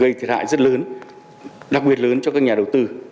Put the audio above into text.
gây thiệt hại rất lớn đặc biệt lớn cho các nhà đầu tư